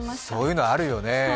そういうのあるよね。